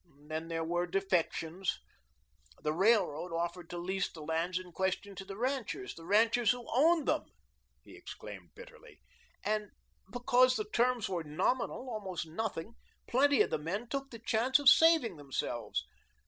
Then there were defections. The Railroad offered to lease the lands in question to the ranchers the ranchers who owned them," he exclaimed bitterly, "and because the terms were nominal almost nothing plenty of the men took the chance of saving themselves.